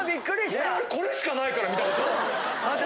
俺これしかないから見たこと。